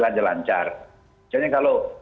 lancar lancar jadi kalau